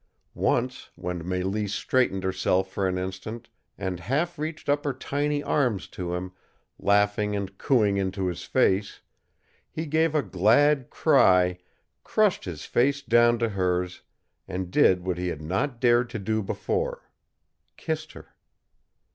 Once, when Mélisse straightened herself for an instant, and half reached up her tiny arms to him, laughing and cooing into his face, he gave a glad cry, crushed his face down to hers, and did what he had not dared to do before kissed her.